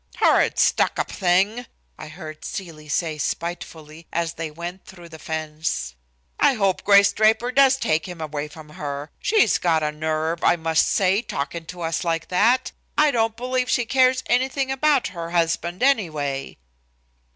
"Horrid, stuck up thing," I heard Celie say spitefully, as they went through the fence. "I hope Grace Draper does take him away from her. She's got a nerve, I must say, talkin' to us like that. I don't believe she cares anything about her husband, anyway."